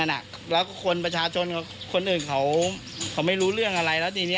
แล้วก็คนประชาชนคนอื่นเขาไม่รู้เรื่องอะไรแล้วทีนี้